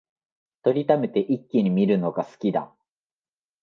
録りためて一気に観るのが好きだ